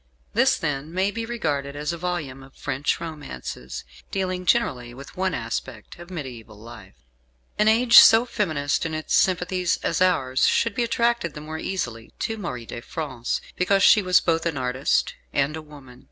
This, then, may be regarded as a volume of French romances, dealing, generally, with one aspect of mediaeval life. An age so feminist in its sympathies as ours should be attracted the more easily to Marie de France, because she was both an artist and a woman.